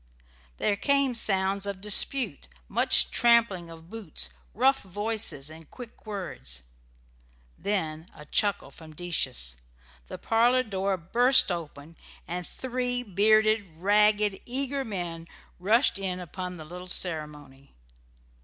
There came sounds of dispute, much tramping of boots, rough voices, and quick words; then a chuckle from Decius, the parlour door burst open, and three bearded, ragged, eager men rushed in upon the little ceremony.